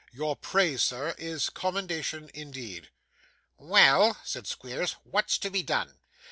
'Your praise, sir, is commendation, indeed.' 'Well,' said Squeers, 'what's to be done?